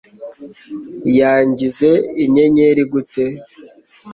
yangize inyenyeri gute